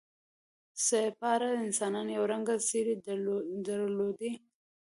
سپاره انسانان یو رنګه ځېرې درلودې.